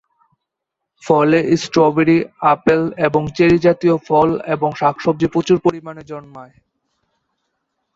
ফলে strawberry, apple এবং cherry জাতীয় ফল এবং শাকসবজি প্রচুর পরিমাণে জন্মায়।